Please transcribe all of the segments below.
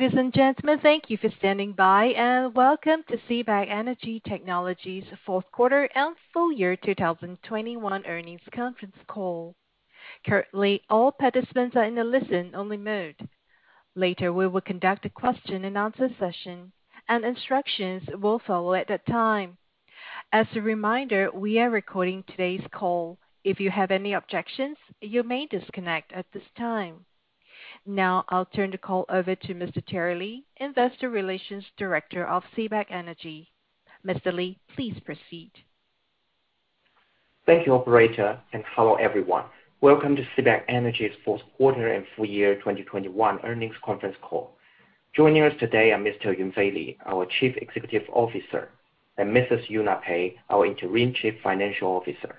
Good day, ladies and gentlemen. Thank you for standing by, and welcome to CBAK Energy Technology's Fourth Quarter and Full Year 2021 Earnings Conference Call. Currently, all participants are in a listen-only mode. Later, we will conduct a question-and-answer session, and instructions will follow at that time. As a reminder, we are recording today's call. If you have any objections, you may disconnect at this time. Now I'll turn the call over to Mr. Thierry Li, Investor Relations Director of CBAK Energy. Mr. Lee, please proceed. Thank you, operator, and hello, everyone. Welcome to CBAK Energy's fourth quarter and full-year 2021 earnings conference call. Joining us today are Mr. Yunfei Li, our Chief Executive Officer, and Mrs. Xiangyu Pei, our Interim Chief Financial Officer.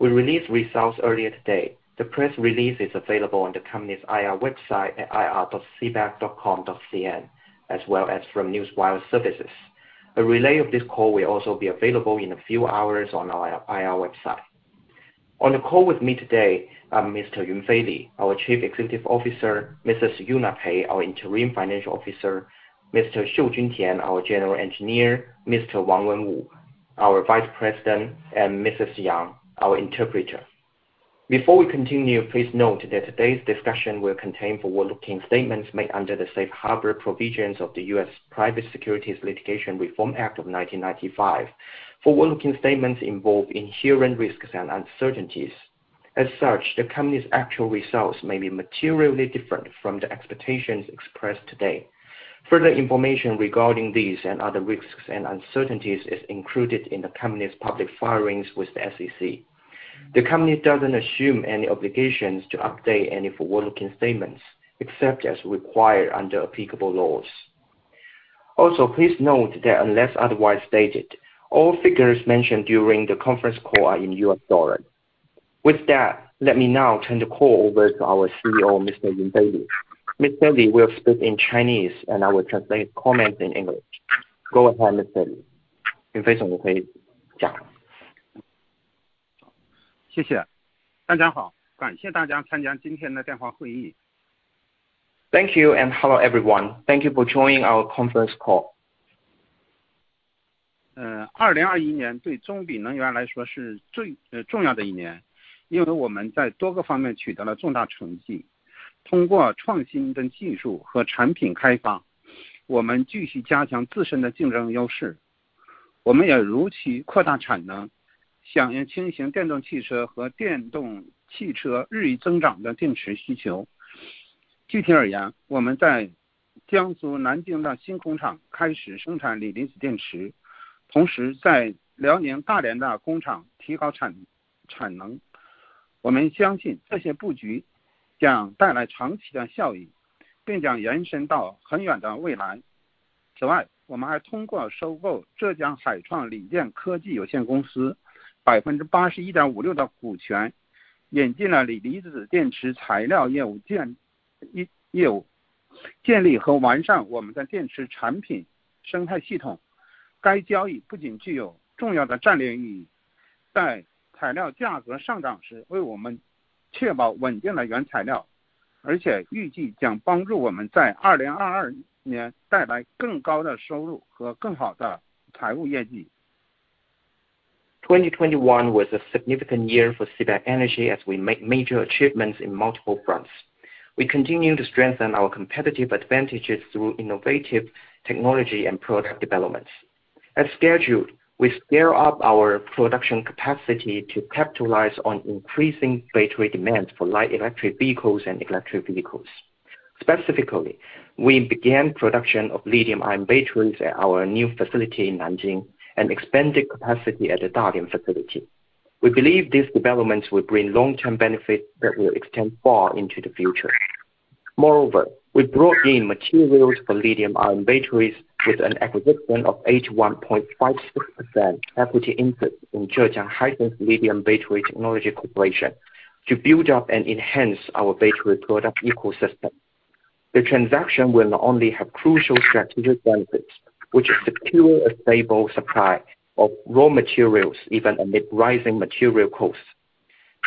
We released results earlier today. The press release is available on the company's IR website at ir.cbak.com.cn, as well as from Newswire services. A replay of this call will also be available in a few hours on our IR website. On the call with me today are Mr. Yunfei Li, our Chief Executive Officer, Mrs. Xiangyu Pei, our interim Chief Financial Officer, Mr. Xiujun Tian, our General Engineer, Mr. Wenwu Wang, our Vice President, and Mrs. Yang, our Interpreter. Before we continue, please note that today's discussion will contain forward-looking statements made under the Safe Harbor provisions of the U.S. Private Securities Litigation Reform Act of 1995. Forward-looking statements involve inherent risks and uncertainties. As such, the company's actual results may be materially different from the expectations expressed today. Further information regarding these and other risks and uncertainties is included in the company's public filings with the SEC. The company doesn't assume any obligations to update any forward-looking statements, except as required under applicable laws. Also, please note that unless otherwise stated, all figures mentioned during the conference call are in U.S. dollars. With that, let me now turn the call over to our CEO, Mr. Yunfei Li. Mr. Li will speak in Chinese, and I will translate comments in English. Go ahead, Mr. Li. Thank you, and hello, everyone. Thank you for joining our conference call. 2021 was a significant year for CBAK Energy as we make major achievements in multiple fronts. We continue to strengthen our competitive advantages through innovative technology and product developments. As scheduled, we scale up our production capacity to capitalize on increasing battery demand for light electric vehicles and electric vehicles. Specifically, we began production of lithium-ion batteries at our new facility in Nanjing and expanded capacity at the Dalian facility. We believe these developments will bring long-term benefits that will extend far into the future. Moreover, we brought in materials for lithium-ion batteries with an acquisition of 81.56% equity interest in Zhejiang Meidu Hitrans Lithium Battery Technology Corporation to build up and enhance our battery product ecosystem. The transaction will not only have crucial strategic benefits, which secure a stable supply of raw materials even amid rising material costs,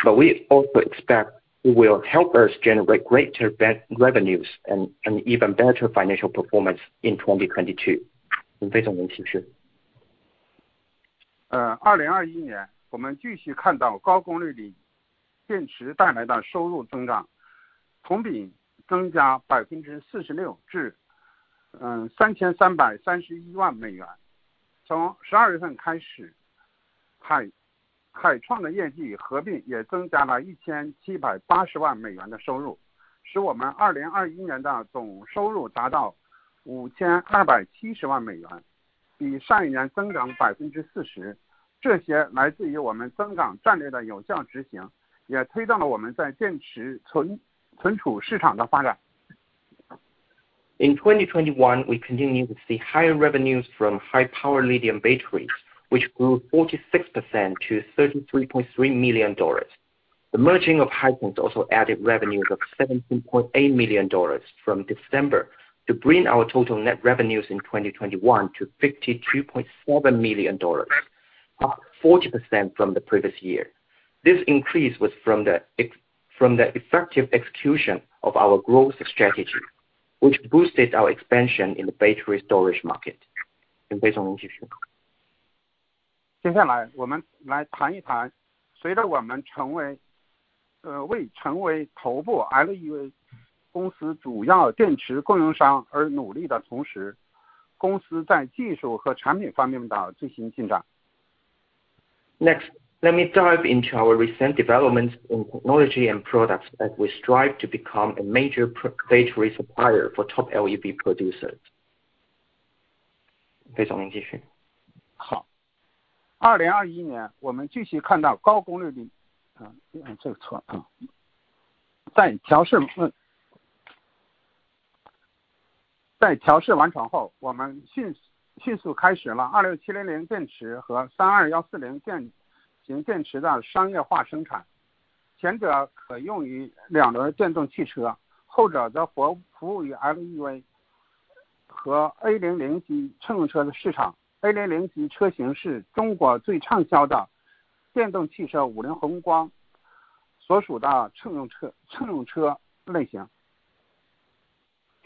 but we also expect it will help us generate greater revenues and even better financial performance in 2022. 2021, we continue to see higher revenues from high-power lithium batteries, which grew 46% to $33.3 million. The merger of Hitrans also added revenues of $17.8 million from December to bring our total net revenues in 2021 to $52.7 million. 40% from the previous year. This increase was from the effective execution of our growth strategy, which boosted our expansion in the battery storage market. 接下来我们来谈一谈，随着我们成为头部LEV公司主要电池供应商而努力的同时，公司在技术和产品方面的最新进展。Next, let me dive into our recent developments in technology and products as we strive to become a major power battery supplier for top LEV producers.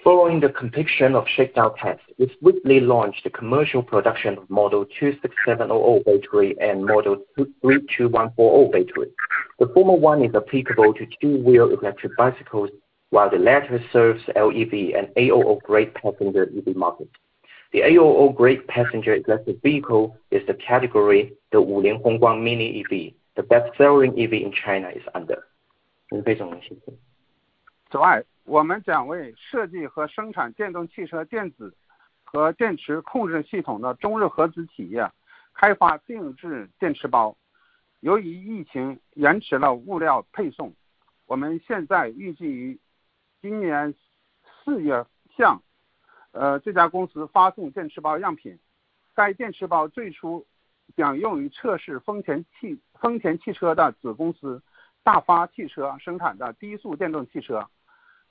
Following the completion of shakedown test, we swiftly launched commercial production of model 26700 battery and model 32140 battery. The former one is applicable to two-wheel electric bicycles while the latter serves LEV and A00 grade passenger EV market. The A00 grade passenger electric vehicle is the category the Wuling Hongguang MINI EV, the best-selling EV in China, is under.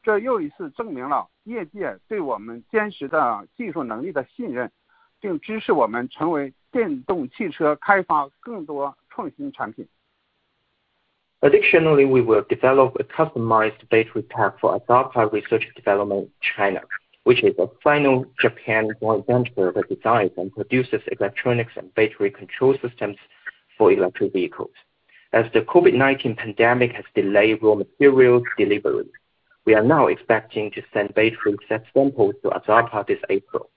Additionally, we will develop a customized battery pack for AZAPA R&D China, which is a Sino-Japan joint venture that designs electronic control systems for electric vehicles. As the COVID-19 pandemic has delayed raw materials deliveries, we are now expecting to send battery set samples to AZAPA this April.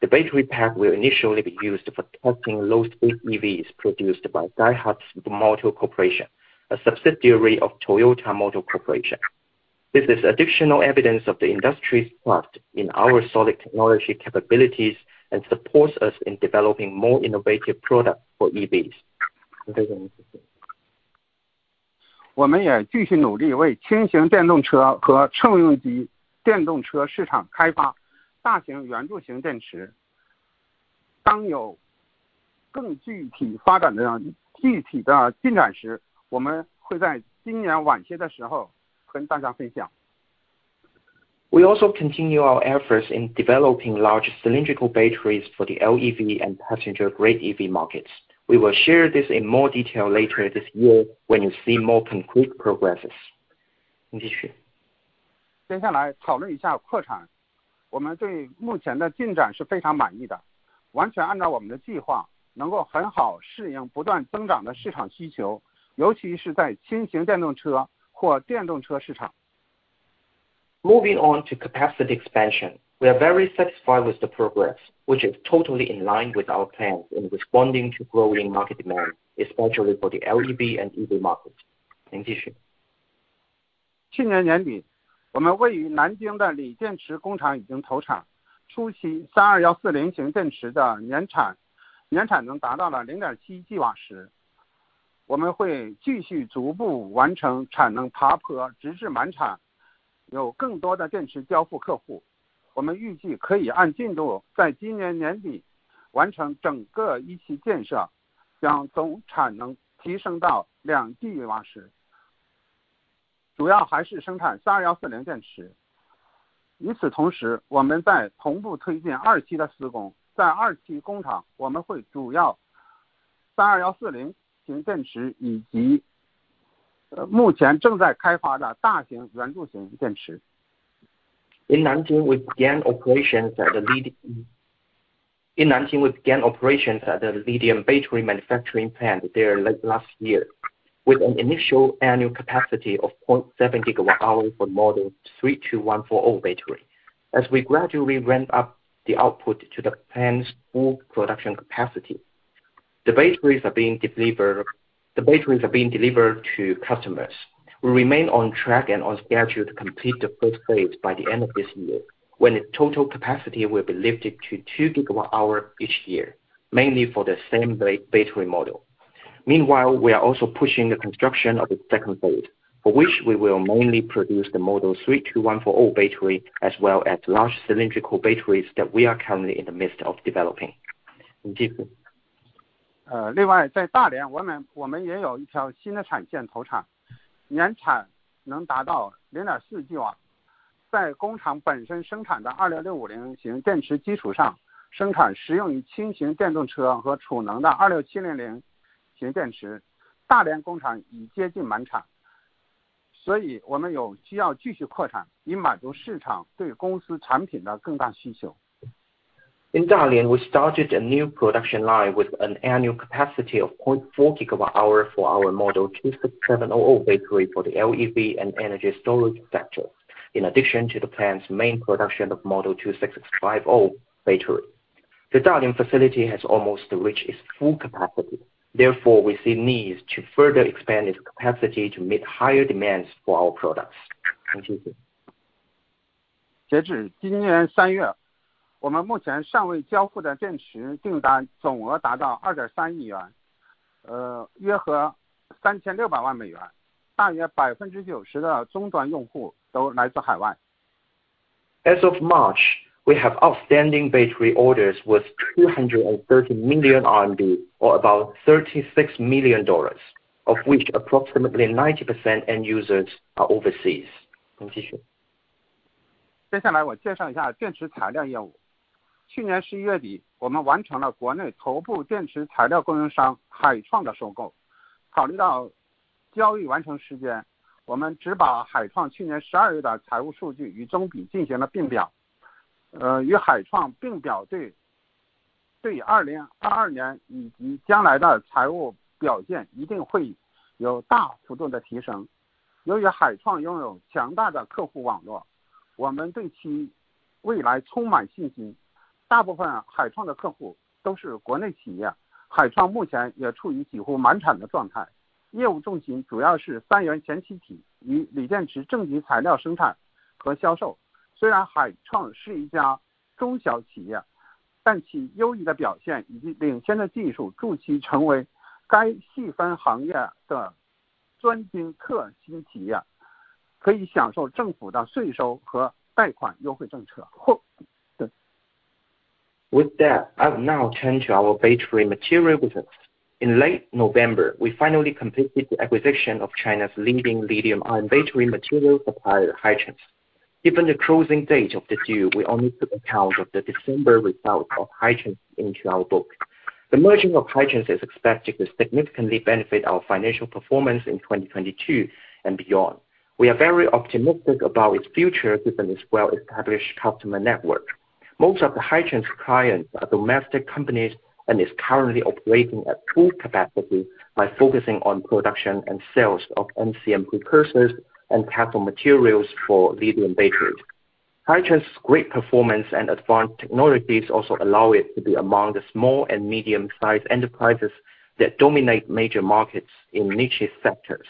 The battery pack will initially be used for testing low-speed EVs produced by Daihatsu Motor Corporation, a subsidiary of Toyota Motor Corporation. This is additional evidence of the industry's trust in our solid technology capabilities and supports us in developing more innovative products for EVs. 我们也继续努力为轻型电动车和乘用级电动车市场开发大型圆柱形电池。当有更具体的进展时，我们会在今年晚些的时候跟大家分享。We also continue our efforts in developing large cylindrical batteries for the LEV and passenger-grade EV markets. We will share this in more detail later this year when you see more concrete progress. 您继续。接下来讨论一下扩产。我们对目前的进展是非常满意的，完全按照我们的计划，能够很好适应不断增长的市场需求，尤其是在轻型电动车或电动车市场。Moving on to capacity expansion, we are very satisfied with the progress, which is totally in line with our plans in responding to growing market demand, especially for the LEV and EV markets. 请继续。去年年底，我们位于南京的锂电池工厂已经投产，初期32140型电池的年产能达到了0.7吉瓦时。我们会继续逐步完成产能爬坡，直至满产，有更多的电池交付客户。我们预计可以按进度在今年年底完成整个一期建设，将总产能提升到2吉瓦时。主要还是生产32140电池。与此同时，我们在同步推进二期的施工，在二期工厂我们会主要生产32140型电池以及目前正在开发的大型圆柱形电池。In Nanjing, we began operations at the lithium battery manufacturing plant there late last year, with an initial annual capacity of 0.7 GW-hours for model 32140 battery. As we gradually ramp up the output to the plant's full production capacity, the batteries are being delivered to customers. We remain on track and on schedule to complete the first phase by the end of this year, when its total capacity will be lifted to 2 GW-hours each year, mainly for the same battery model. Meanwhile, we are also pushing the construction of the second phase, for which we will mainly produce the model 32140 battery as well as large cylindrical batteries that we are currently in the midst of developing. In Dalian, we started a new production line with an annual capacity of 4 GWh for our model 26700 battery for the LEV and energy storage sector, in addition to the plant's main production of model 26650 battery. The Dalian facility has almost reached its full capacity. Therefore, we see the need to further expand its capacity to meet higher demands for our products. 截至今年三月，我们目前尚未交付的电池订单总额达到2.3亿元，约合3,600万美元，大约90%的终端用户都来自海外。As of March, we have outstanding battery orders worth CNY 230 million, or about $36 million, of which approximately 90% end users are overseas. With that, I will now turn to our battery material business. In late November, we finally completed the acquisition of China's leading lithium-ion battery materials supplier, Hitrans. Given the closing date of the deal, we only took account of the December results of Hitrans into our books. The merging of Hitrans is expected to significantly benefit our financial performance in 2022 and beyond. We are very optimistic about its future given its well-established customer network. Most of Hitrans's clients are domestic companies and it is currently operating at full capacity by focusing on production and sales of NCM precursors and cathode materials for lithium batteries. Hitrans's great performance and advanced technologies also allow it to be among the small and medium-sized enterprises that dominate major markets in niche sectors,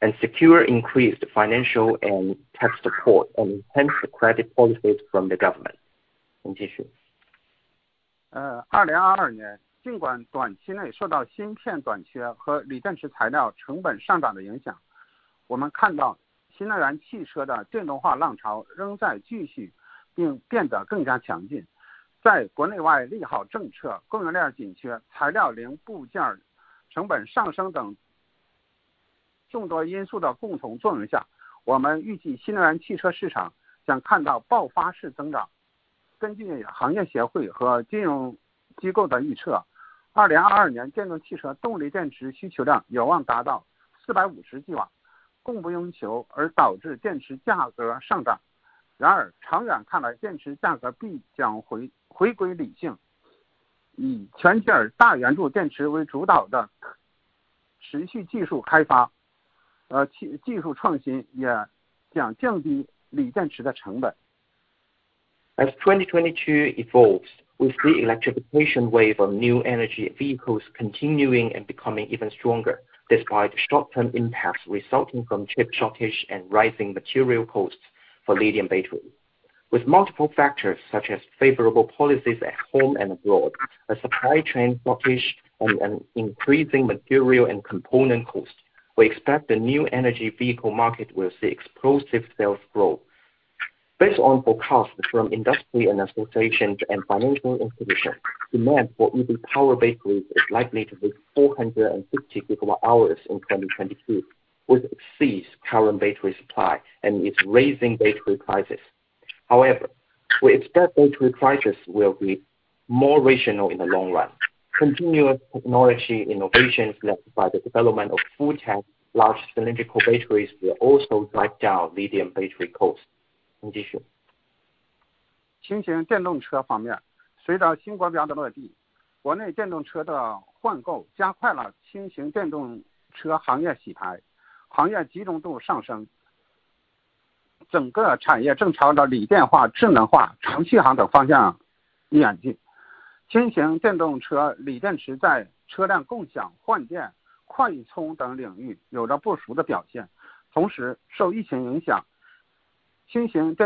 and secure increased financial and tax support and enhanced credit policies from the government. As 2022 evolves, we see electrification wave of new energy vehicles continuing and becoming even stronger despite short-term impacts resulting from chip shortage and rising material costs for lithium battery. With multiple factors such as favorable policies at home and abroad, a supply chain shortage and an increasing material and component cost, we expect the new energy vehicle market will see explosive sales growth. Based on forecasts from industry and associations and financial institutions, demand for EV power batteries is likely to reach 450 GW-hours in 2022, which exceeds current battery supply and is raising battery prices. However, we expect battery prices will be more rational in the long run. Continuous technology innovations led by the development of full-tab, large cylindrical batteries will also drive down lithium battery costs. With the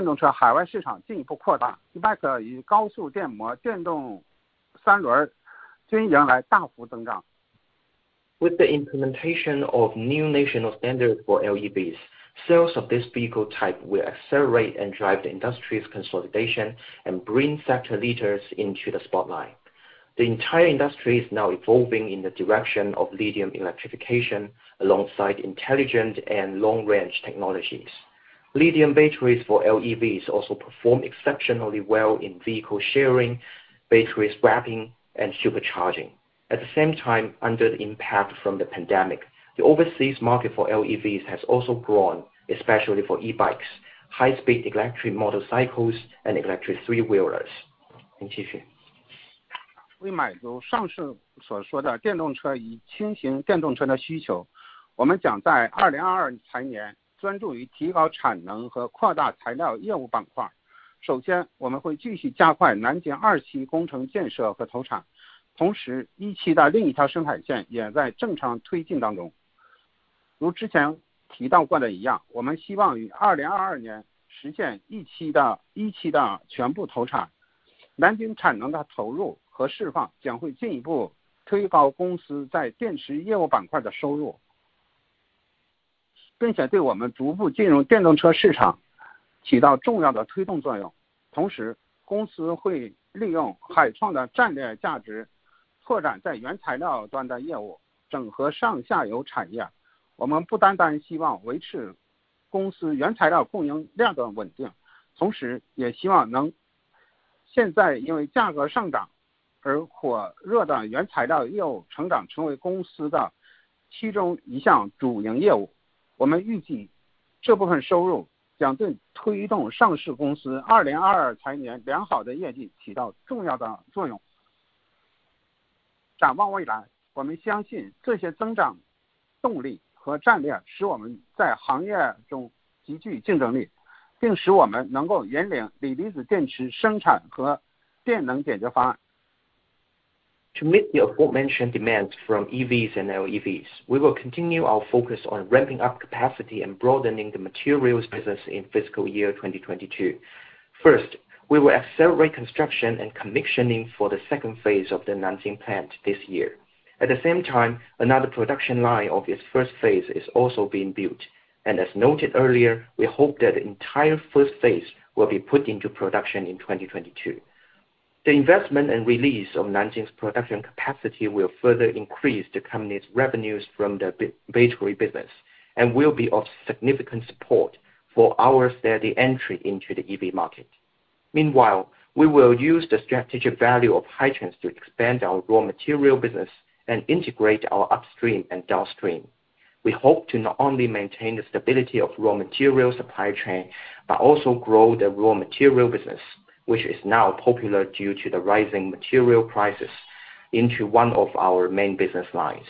implementation of New National Standards for LEVs, sales of this vehicle type will accelerate and drive the industry's consolidation and bring sector leaders into the spotlight. The entire industry is now evolving in the direction of lithium electrification alongside intelligent and long-range technologies. Lithium batteries for LEVs also perform exceptionally well in vehicle sharing, battery swapping, and supercharging. At the same time, under the impact from the pandemic, the overseas market for LEVs has also grown, especially for e-bikes, high-speed electric motorcycles, and electric three-wheelers. To meet the aforementioned demands from EVs and LEVs, we will continue our focus on ramping up capacity and broadening the materials business in fiscal year 2022. First, we will accelerate construction and commissioning for the second phase of the Nanjing plant this year. At the same time, another production line of its first phase is also being built. As noted earlier, we hope that the entire first phase will be put into production in 2022. The investment and release of Nanjing's production capacity will further increase the company's revenues from the battery business and will be of significant support for our steady entry into the EV market. Meanwhile, we will use the strategic value of Hitrans to expand our raw material business and integrate our upstream and downstream. We hope to not only maintain the stability of raw material supply chain, but also grow the raw material business, which is now popular due to the rising material prices into one of our main business lines.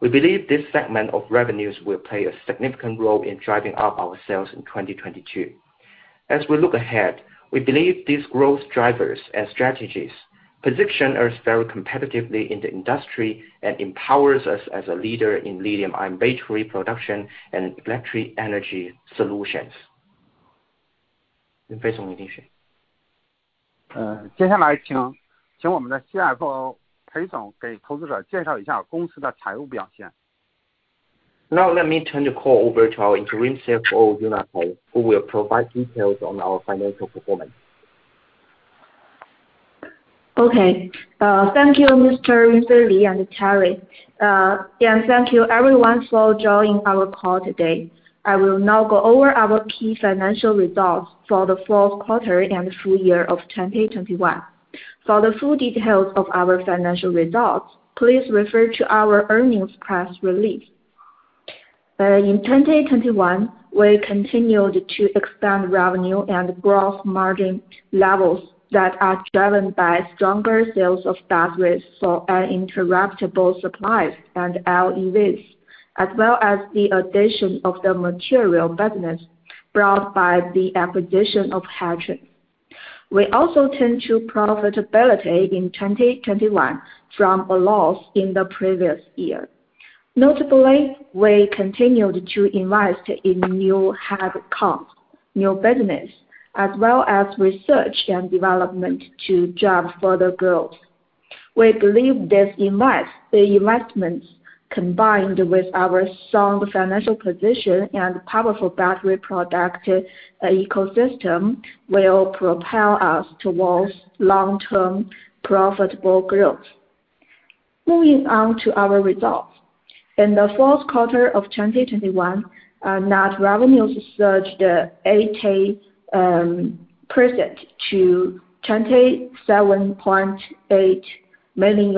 We believe this segment of revenues will play a significant role in driving up our sales in 2022. As we look ahead, we believe these growth drivers and strategies position us very competitively in the industry and empowers us as a leader in lithium-ion battery production and electric energy solutions. Now let me turn the call over to our Interim CFO, Xiangyu Pei, who will provide details on our financial performance. Okay. Thank you, Mr. Yunfei Li and Thierry Li. And thank you everyone for joining our call today. I will now go over our key financial results for the fourth quarter and full year of 2021. For the full details of our financial results, please refer to our earnings press release. In 2021, we continued to expand revenue and gross margin levels that are driven by stronger sales of batteries for uninterruptible power supplies and LEVs, as well as the addition of the material business brought by the acquisition of Hitrans. We also turned to profitability in 2021 from a loss in the previous year. Notably, we continued to invest in new headcount, new business, as well as research and development to drive further growth. We believe the investments, combined with our strong financial position and powerful battery product ecosystem, will propel us towards long-term profitable growth. Moving on to our results. In the fourth quarter of 2021, our net revenues surged 80% to $27.8 million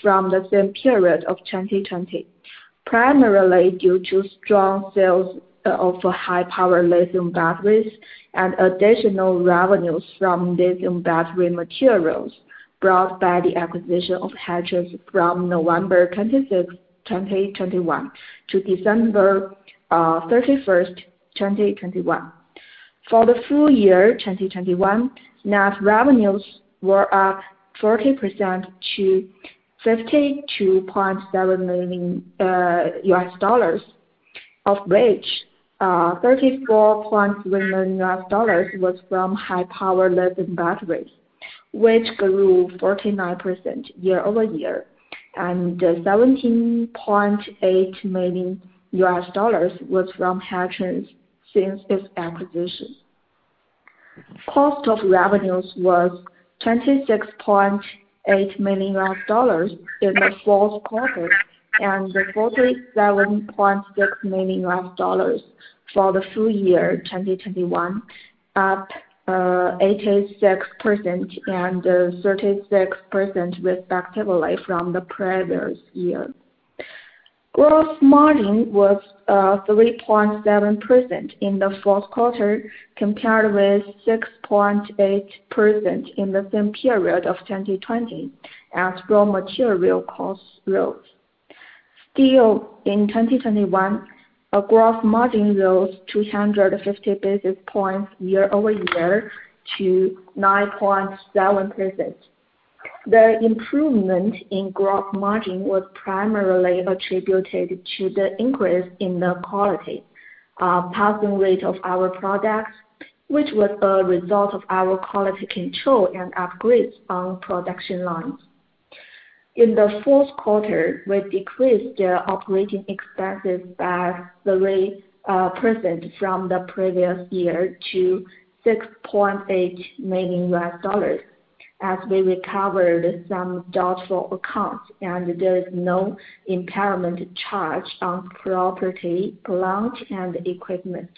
from the same period of 2020, primarily due to strong sales of high-power lithium batteries and additional revenues from lithium battery materials brought by the acquisition of Hitrans from November 26, 2021 to December 31st, 2021. For the full year 2021, net revenues were up 40% to $52.7 million, of which $34 million was from high-power lithium batteries, which grew 49% year-over-year, and $17.8 million was from Hitrans since its acquisition. Cost of revenues was $26.8 million in the fourth quarter and $47.6 million for the full year 2021, up 86% and 36% respectively from the previous year. Gross margin was 3.7% in the fourth quarter, compared with 6.8% in the same period of 2020 as raw material costs rose. Still, in 2021, our gross margin rose 250 basis points year-over-year to 9.7%. The improvement in gross margin was primarily attributed to the increase in the quality passing rate of our products, which was a result of our quality control and upgrades on production lines. In the fourth quarter, we decreased our operating expenses by 3% from the previous year to $6.8 million as we recovered some doubtful accounts, and there is no impairment charge on property, plant and equipment,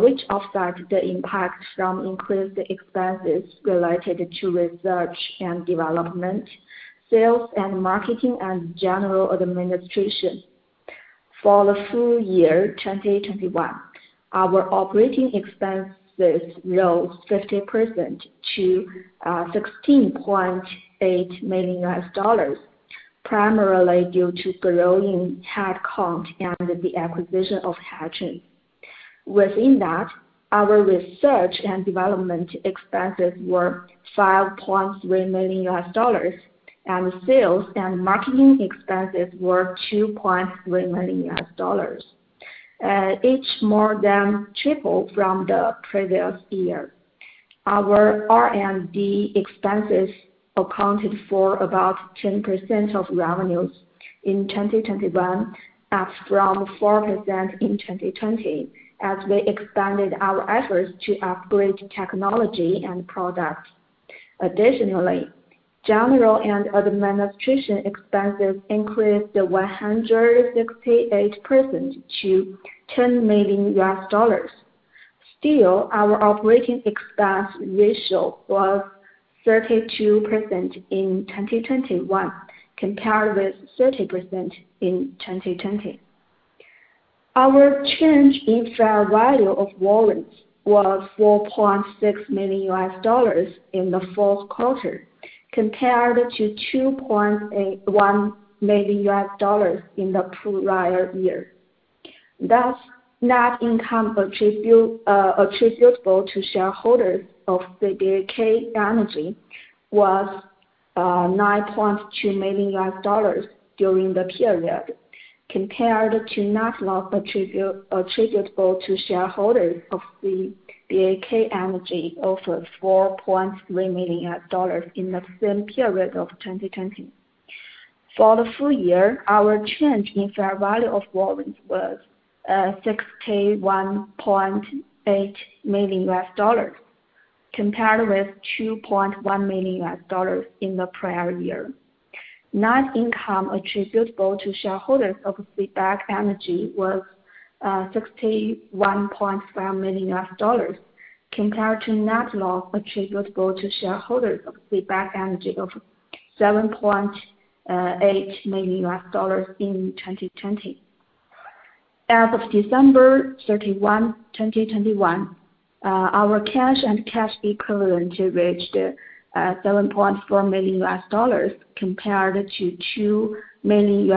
which offset the impact from increased expenses related to research and development, sales and marketing and general administration. For the full year 2021, our operating expenses rose 50% to $16.8 million, primarily due to growing headcount and the acquisition of Hitrans. Within that, our research and development expenses were $5.3 million, and sales and marketing expenses were $2.3 million, each more than triple from the previous year. Our R&D expenses accounted for about 10% of revenues in 2021, up from 4% in 2020 as we expanded our efforts to upgrade technology and products. Additionally, general and administration expenses increased 168% to $10 million. Still, our operating expense ratio was 32% in 2021, compared with 30% in 2020. Our change in fair value of warrants was $4.6 million in the fourth quarter, compared to $2.1 million in the prior year. Thus, net income attributable to shareholders of CBAK Energy was $9.2 million during the period, compared to net loss attributable to shareholders of CBAK Energy of $4.3 million in the same period of 2020. For the full year, our change in fair value of warrants was $61.8 million, compared with $2.1 million in the prior year. Net income attributable to shareholders of CBAK Energy was $61.5 million compared to net loss attributable to shareholders of CBAK Energy of $7.8 million in 2020. As of December 31, 2021, our cash and cash equivalents reached $7.4 million compared to $2 million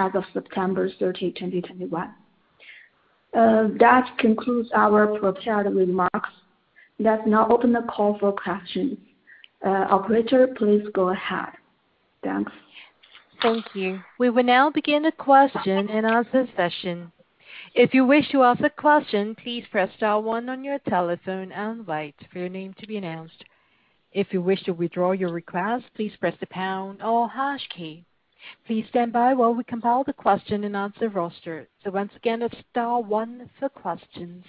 as of September 30, 2021. That concludes our prepared remarks. Let's now open the call for questions. Operator, please go ahead. Thanks. Thank you. We will now begin the question-and-answer session. If you wish to ask a question, please press star one on your telephone and wait for your name to be announced. If you wish to withdraw your request, please press the pound or hash key. Please stand by while we compile the question and answer roster. Once again, it's star one for questions.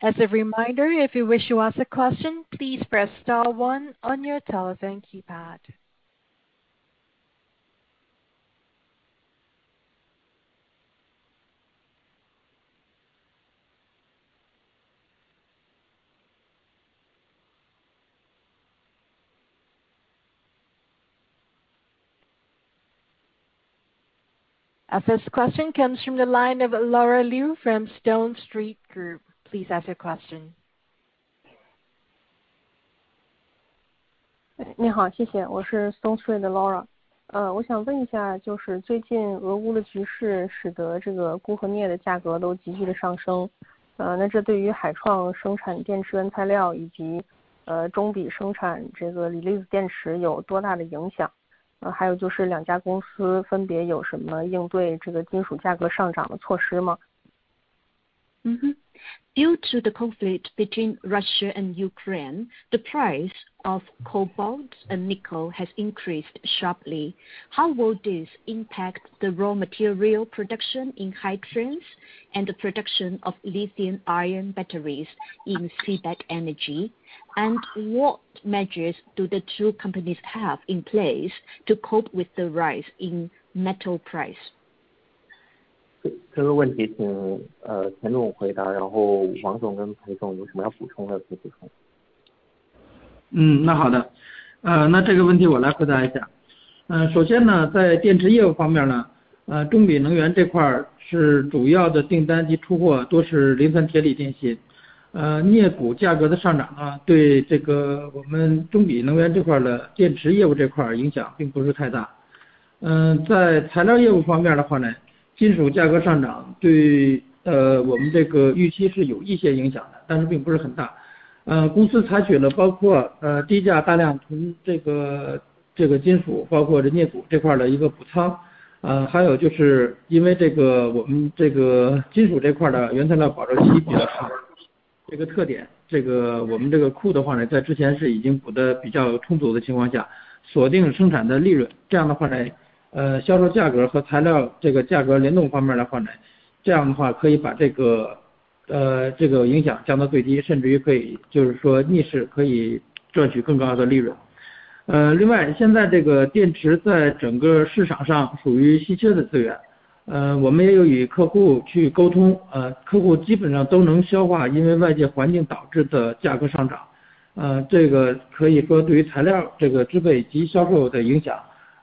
As a reminder, if you wish to ask a question, please press star one on your telephone keypad. Due to the conflict between Russia and Ukraine, the price of cobalt and nickel has increased sharply. How will this impact the raw material production in Hitrans and the production of lithium-ion batteries in CBAK Energy? What measures do the two companies have in place to cope with the rise in metal price? 这个问题请田总回答，然后王总跟裴总有什么要补充的请补充。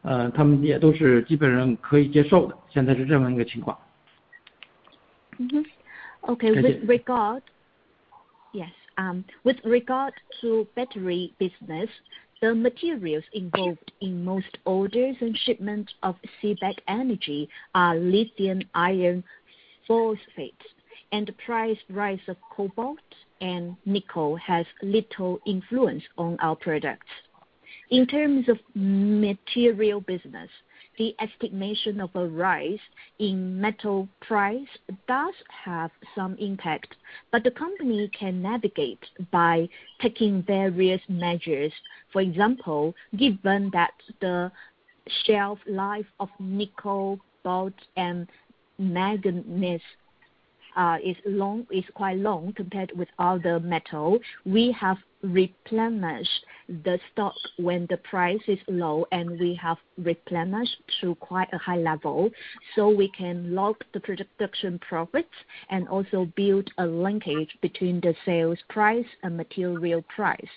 Ok. With regard to battery business, the materials involved in most orders and shipments of CBAK Energy are lithium iron phosphate, and price rise of cobalt and nickel has little influence on our products. In terms of material business, the estimation of a rise in metal price does have some impact, but the company can navigate by taking various measures. For example, given that the shelf life of nickel, cobalt and manganese are quite long compared with other metal, we have replenished the stock when the price is low and we have replenished to quite a high level, so we can lock the production profits and also build a linkage between the sales price and material price.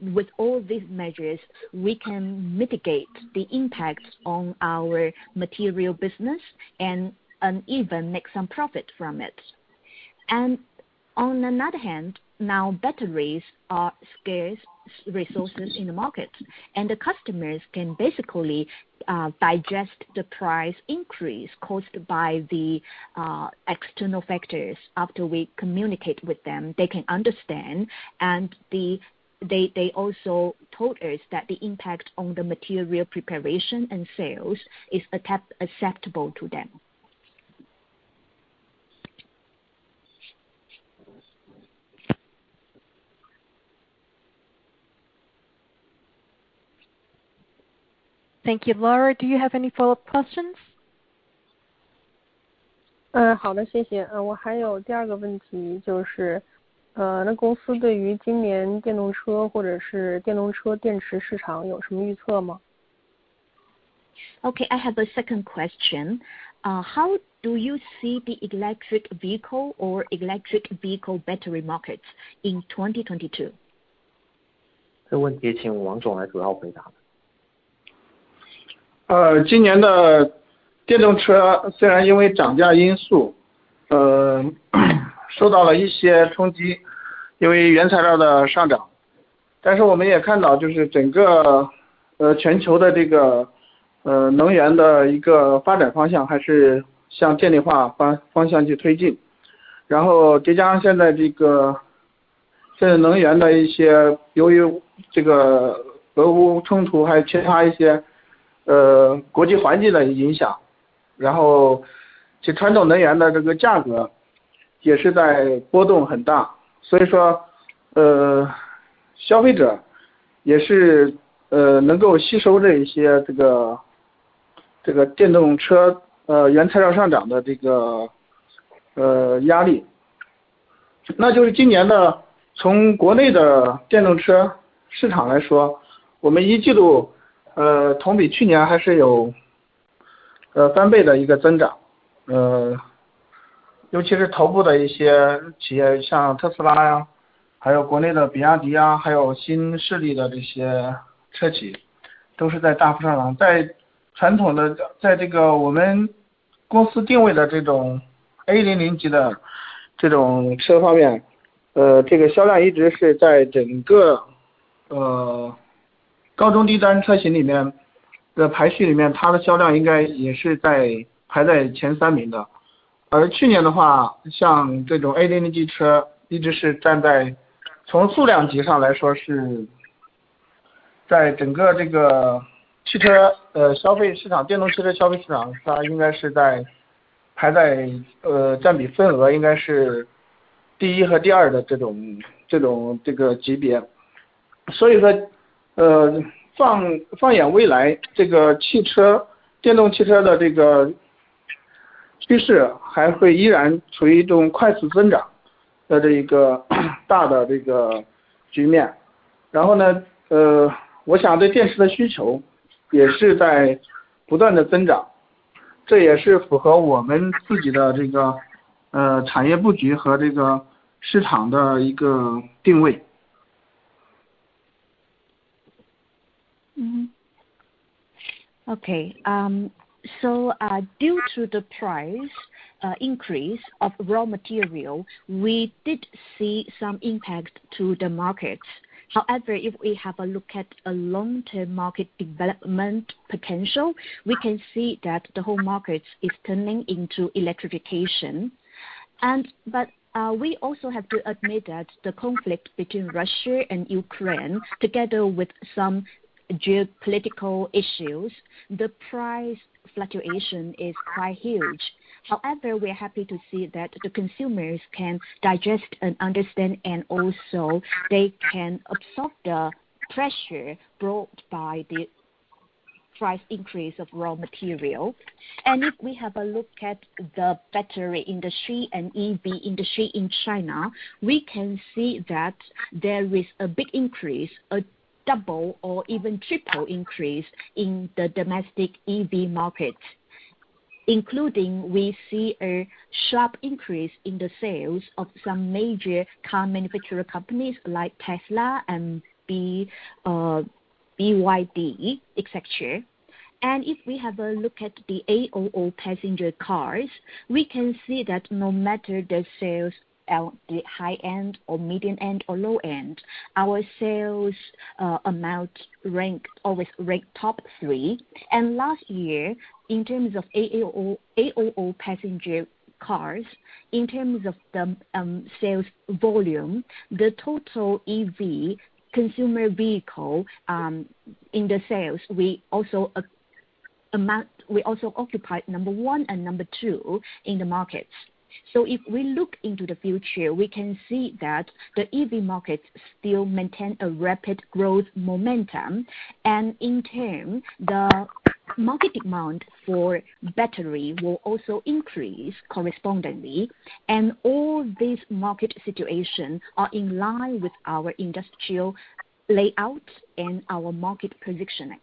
With all these measures, we can mitigate the impact on our material business and even make some profit from it. On another hand, now batteries are scarce resources in the market, and the customers can basically digest the price increase caused by the external factors after we communicate with them, they can understand. They also told us that the impact on the material preparation and sales is acceptable to them. Thank you. Laura, do you have any follow-up questions? 好的，谢谢。我还有第二个问题，就是那公司对于今年电动车或者是电动车电池市场有什么预测吗？ Ok, I have a second question. How do you see the electric vehicle or electric vehicle battery markets in 2022? 这问题请王总来主要回答。Ok. Due to the price increase of raw material, we did see some impact to the markets. However, if we have a look at a long-term market development potential, we can see that the whole market is turning into electrification. But we also have to admit that the conflict between Russia and Ukraine, together with some geopolitical issues, the price fluctuation is quite huge. However, we are happy to see that the consumers can digest and understand, and also they can absorb the pressure brought by the price increase of raw material. If we have a look at the battery industry and EV industry in China, we can see that there is a big increase, a double or even triple increase in the domestic EV markets, including we see a sharp increase in the sales of some major car manufacturer companies like Tesla and BYD etc. If we have a look at the A00 passenger cars, we can see that no matter the sales at the high end or medium end or low end, our sales amount rank always top three. Last year in terms of A00 passenger cars, in terms of the sales volume, the total EV consumer vehicle in the sales, we also occupied number 1 and number 2 in the markets. If we look into the future, we can see that the EV market still maintain a rapid growth momentum, and in turn, the market demand for battery will also increase correspondingly. All these market situation are in line with our industrial layout and our market positioning.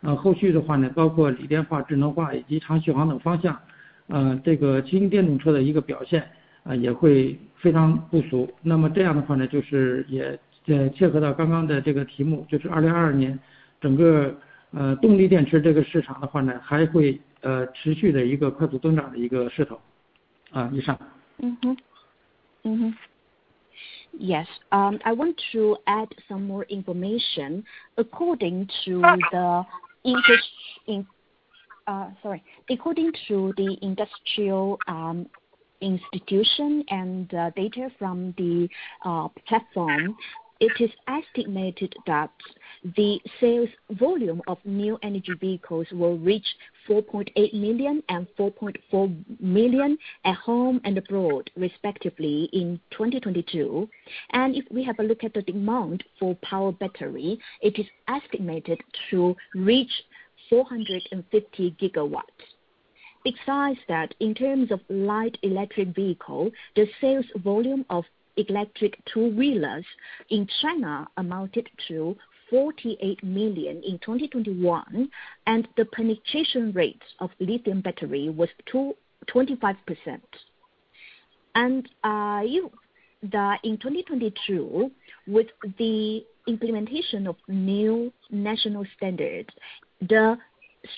Yes. I want to add some more information. According to the industrial institution and data from the platform, it is estimated that the sales volume of new energy vehicles will reach 4.8 million and 4.4 million at home and abroad respectively in 2022. If we have a look at the demand for power battery, it is estimated to reach 450 GW-hours. Besides that, in terms of light electric vehicle, the sales volume of electric two wheelers in China amounted to 48 million in 2021, and the penetration rate of lithium battery was 25%. I believe that in 2022, with the implementation of New National Standards, the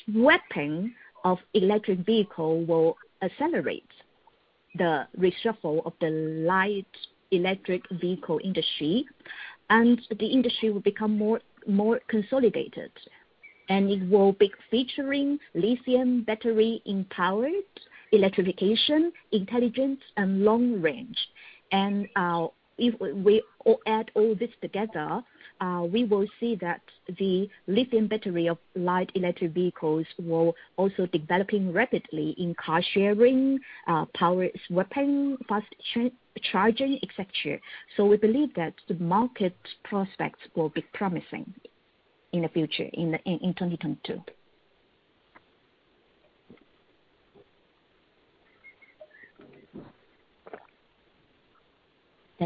sweeping of electric vehicle will accelerate the reshuffle of the light electric vehicle industry, and the industry will become more consolidated, and it will be featuring lithium battery in power, electrification, intelligence and long range. If we all add all this together, we will see that the lithium battery of light electric vehicles will also developing rapidly in car sharing, power swapping, fast charging etc. We believe that the market prospects will be promising in the future in 2022.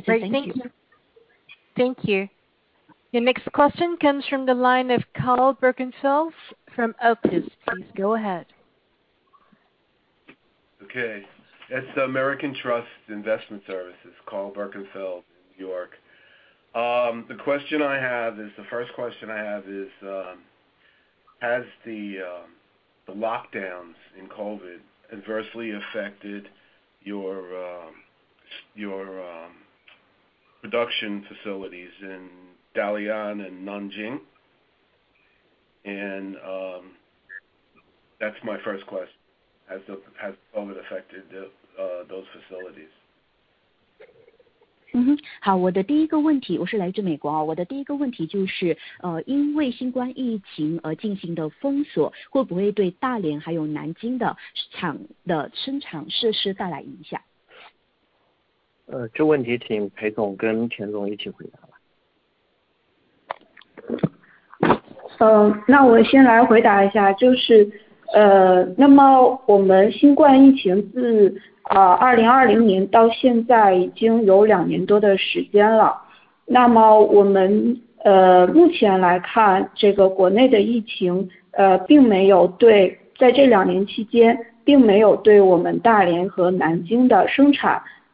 Thank you. Thank you. The next question comes from the line of Karl Birkenfeld from Oak Street. Please go ahead. Okay. It's American Trust Investment Services, Karl Birkenfeld, New York. The first question I have is, as the lockdowns in COVID adversely affected your production facilities in Dalian and Nanjing? That's my first question. Has COVID affected those facilities? 好，我的第一个问题，我是来自美国，我的第一个问题就是，因为新冠疫情而进行的封锁，会不会对大连还有南京的厂的生产设施带来影响。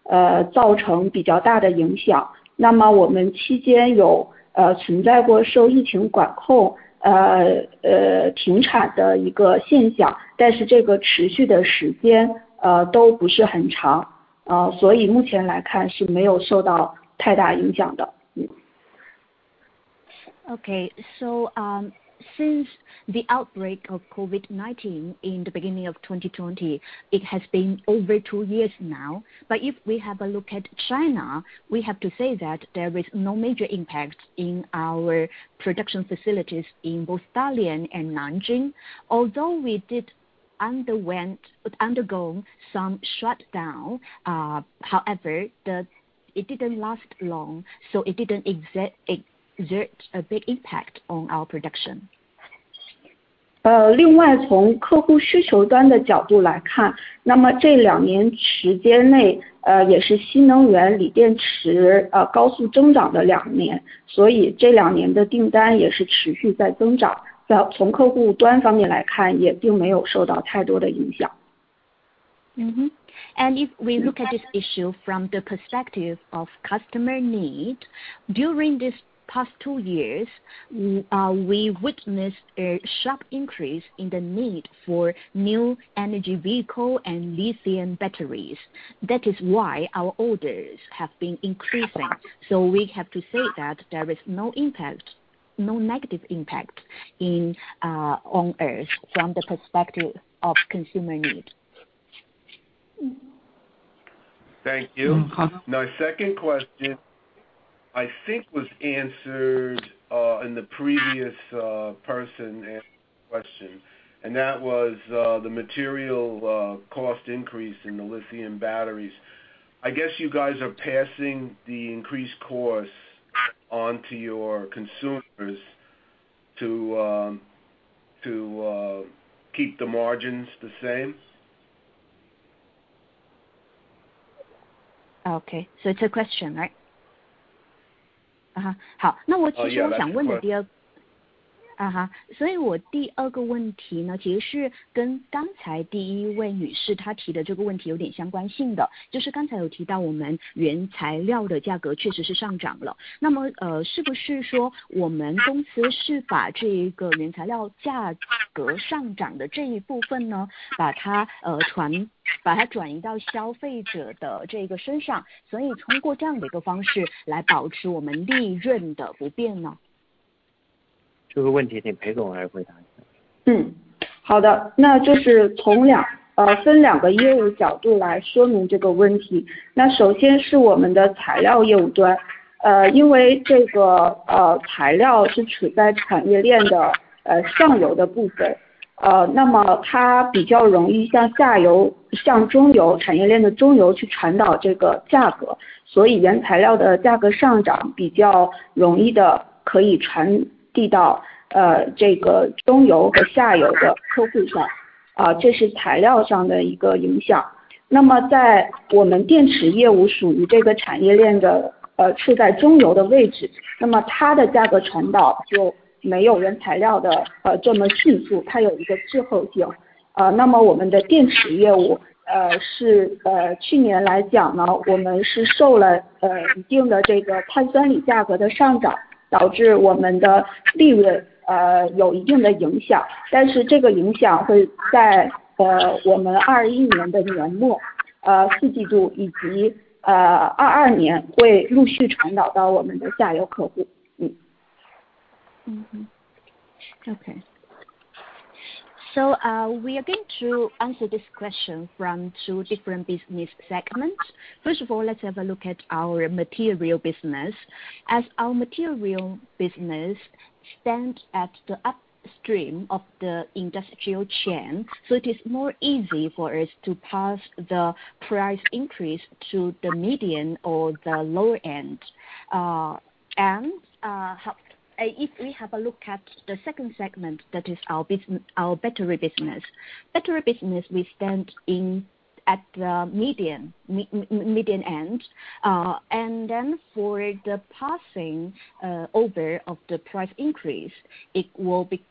Okay, since the outbreak of COVID-19 in the beginning of 2020, it has been over two years now. If we have a look at China, we have to say that there is no major impact in our production facilities in both Dalian and Nanjing. Although we did undergo some shutdown, however, it didn't last long, so it didn't exert a big impact on our production. past two years, we witnessed a sharp increase in the need for new energy vehicle and lithium batteries. That is why our orders have been increasing. We have to say that there is no impact, no negative impact on this from the perspective of consumer needs. Thank you. My second question I think was answered in the previous person asking question. That was the material cost increase in the lithium batteries. I guess you guys are passing the increased costs onto your consumers to keep the margins the same? 那我其实想问的第二 Oh yeah, that's my question. 这个问题请裴总来回答一下。Ok. We are going to answer this question from two different business segments. First of all, let's have a look at our material business. As our material business stands at the upstream of the industrial chain, so it is more easy for us to pass the price increase to the middle or the lower end. And if we have a look at the second segment that is our battery business. Battery business we stand in at the middle end. And then for the passing over of the price increase, it will be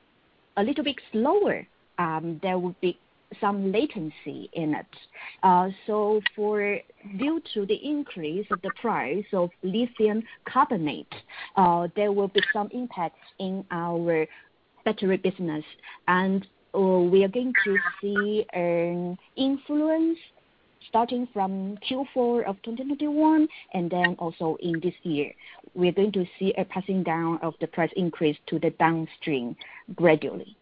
a little bit slower. There will be some latency in it. Due to the increase of the price of lithium carbonate, there will be some impacts in our battery business. We are going to see an influence starting from Q4 of 2021 and then also in this year. We're going to see a passing down of the price increase to the downstream gradually.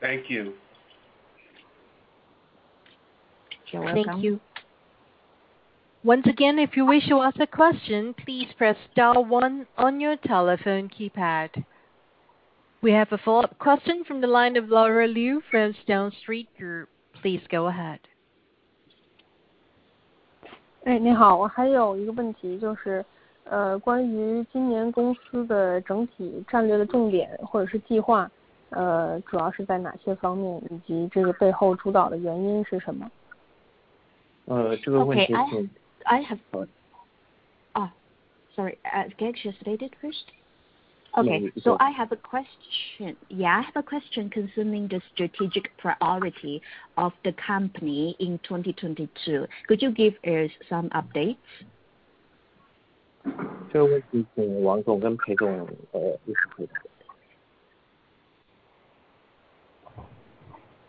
Thank you. You're welcome. Thank you. Once again, if you wish to ask a question, please press star one on your telephone keypad. We have a follow-up question from the line of Laura Liu from Stone Street Group. Please go ahead. Okay. Can you state it first? I have a question concerning the strategic priority of the company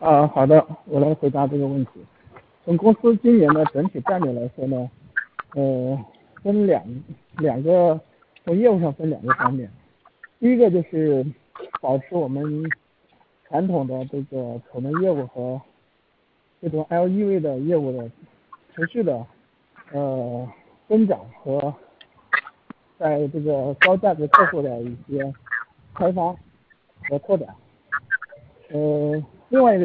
in 2022. Could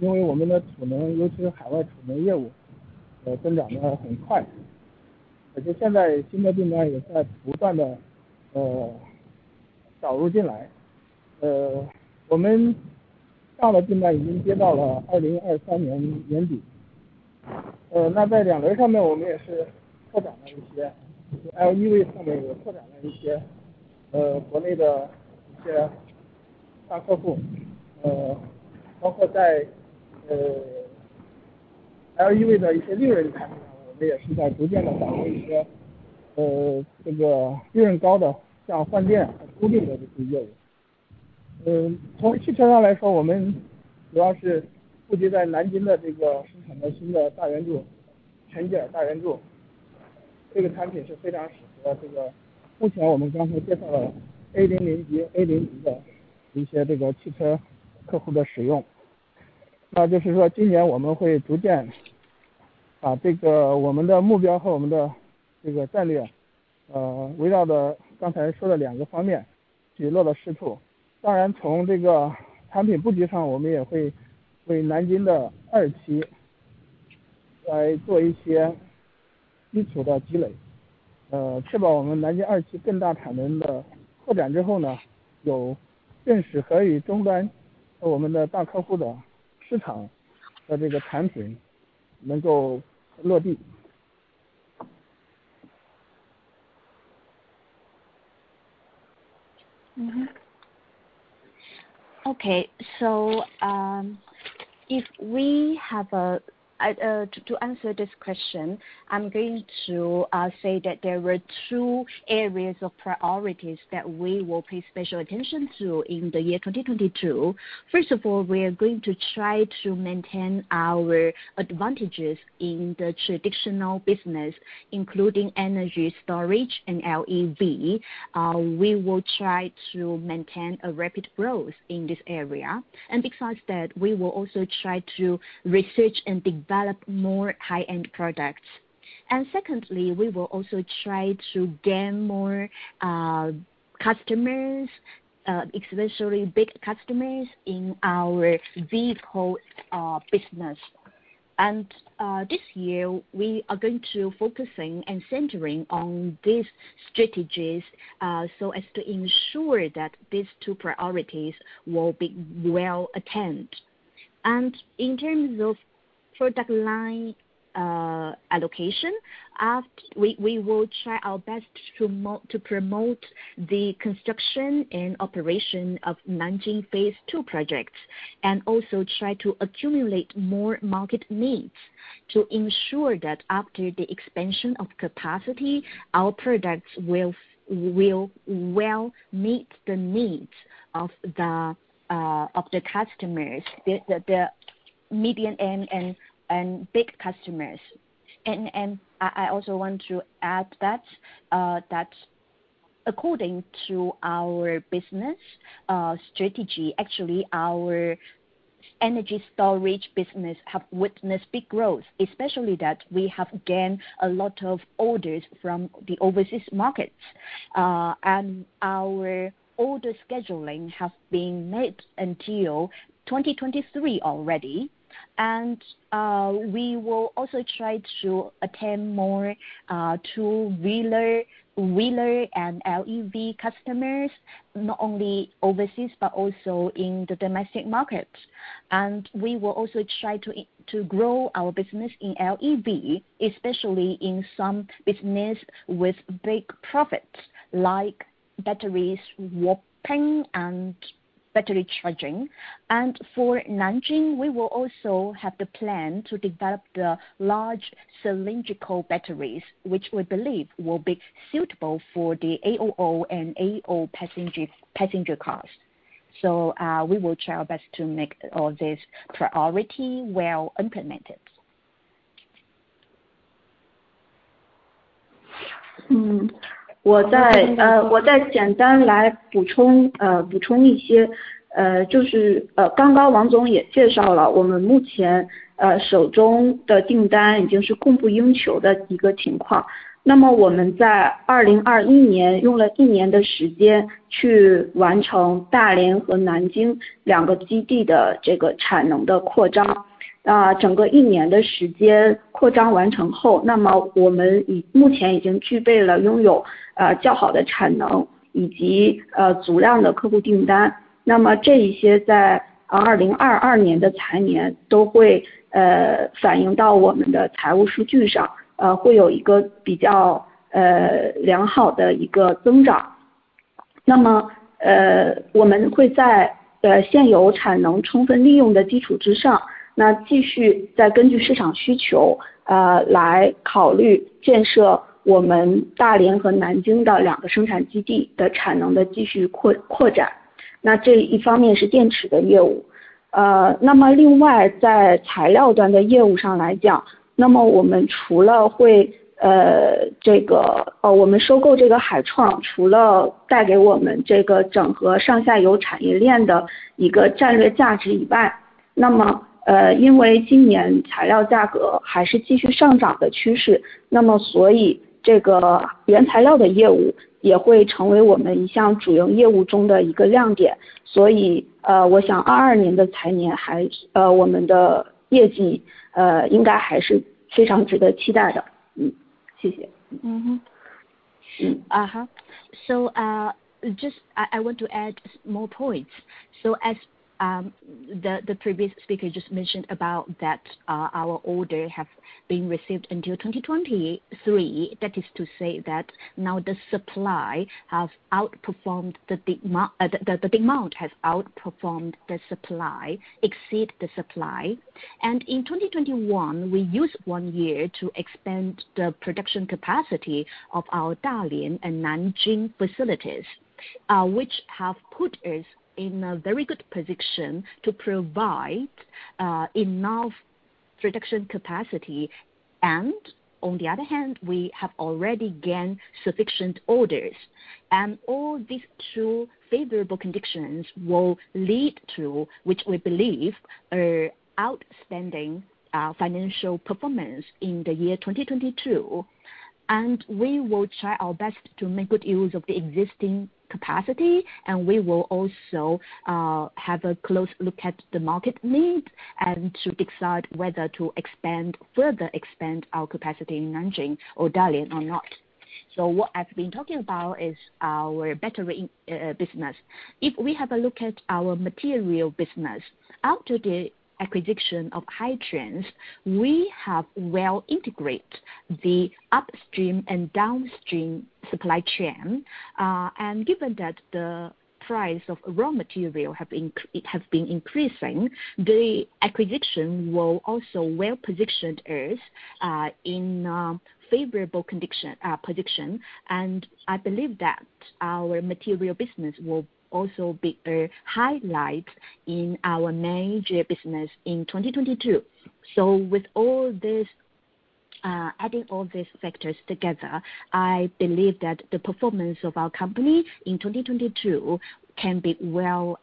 you give us some updates? I'm going to say that there were two areas of priorities that we will pay special attention to in the year 2022. First of all, we are going to try to maintain our advantages in the traditional business, including energy storage and LEV. We will try to maintain a rapid growth in this area. Besides that, we will also try to research and develop more high-end products. Secondly, we will also try to gain more customers, especially big customers in our vehicle business. This year we are going to focusing and centering on these strategies, so as to ensure that these two priorities will be well attended. In terms of product line allocation, we will try our best to promote the construction and operation of Nanjing Phase II projects, and also try to accumulate more market needs to ensure that after the expansion of capacity, our products will well meet the needs of the customers, the medium and big customers. I also want to add that according to our business strategy, actually our energy storage business have witnessed big growth, especially that we have gained a lot of orders from the overseas markets. Our order scheduling has been made until 2023 already. We will also try to attend more to two-wheeler and LEV customers, not only overseas but also in the domestic markets. We will also try to grow our business in LEV, especially in some business with big profits like battery swapping and battery charging. For Nanjing, we will also have the plan to develop the large cylindrical batteries, which we believe will be suitable for the A00 and A0 passenger cars. We will try our best to make all this priority well implemented. I just want to add more points. The previous speaker just mentioned about that our orders have been received until 2023, that is to say that now the demand has outperformed the supply, exceeding the supply. In 2021, we use 1 year to expand the production capacity of our Dalian and Nanjing facilities, which have put us in a very good position to provide enough production capacity. On the other hand, we have already gained sufficient orders. All these two favorable conditions will lead to, which we believe are outstanding, financial performance in the year 2022. We will try our best to make good use of the existing capacity. We will also have a close look at the market needs and to decide whether to further expand our capacity in Nanjing or Dalian or not. What I've been talking about is our battery business. If we have a look at our material business, after the acquisition of Hitrans, we have well integrated the upstream and downstream supply chain. Given that the price of raw materials have been increasing, the acquisition will also well-positioned us in a favorable position. I believe that our material business will also be a highlight in our major business in 2022. With all this, adding all these factors together, I believe that the performance of our company in 2022 can be well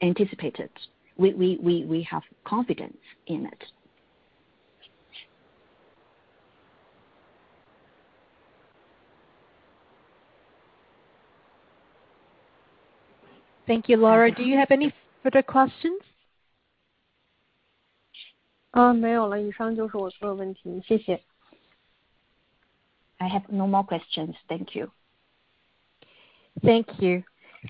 anticipated. We have confidence in it. Thank you. Laura, do you have any further questions? 没有了，以上就是我所有问题，谢谢。I have no more questions. Thank you. Thank you.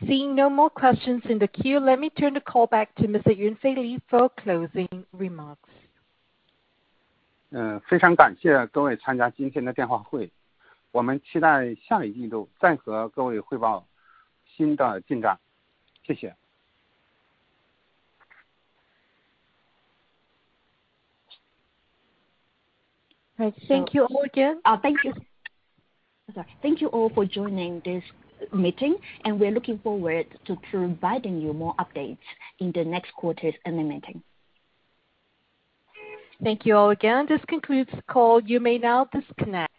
Seeing no more questions in the queue. Let me turn the call back to Mr. Yunfei Li for closing remarks. 非常感谢各位参加今天的电话会，我们期待下一季度再和各位汇报新的进展。谢谢。Thank you all again. Thank you all for joining this meeting, and we are looking forward to providing you more updates in the next quarter's earnings meeting. Thank you all again. This concludes the call. You may now disconnect.